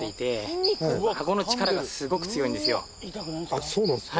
あっそうなんすか？